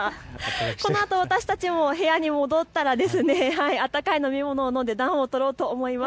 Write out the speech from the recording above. このあと私たちも部屋に戻ったら温かい飲み物を飲んで暖を取ろうと思います。